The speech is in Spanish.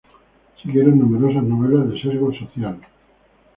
Siguieron numerosas novelas de sesgo social.